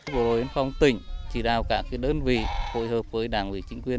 bộ đội bến phong tỉnh chỉ đào cả đơn vị hội hợp với đảng vị chính quyền